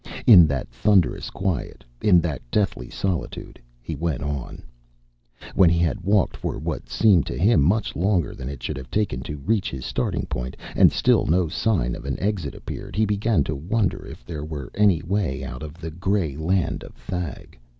In that thunderous quiet, in that deathly solitude, he went on. When he had walked for what seemed to him much longer than it should have taken to reach his starting point, and still no sign of an exit appeared, he began to wonder if there were any way out of the gray land of Thag.